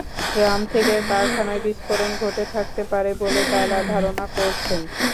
Drum থেকে কারখানায় বিস্ফোরণ ঘটে থাকতে পারে বলে তাঁরা ধারণা করছেন।